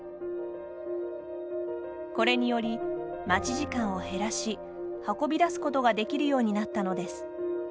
これにより、待ち時間を減らし運び出すことができるようになったのです。